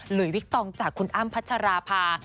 วิกตองจากคุณอ้ำพัชราภา